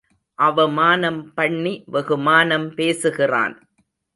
அவமானம் பண்ணி வெகுமானம் பேசுகிறான்.